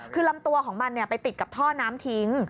คือลำตัวของมันไปติดกับท่อน้ำทิ้ง